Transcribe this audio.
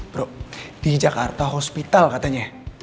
bro di jakarta hospital katanya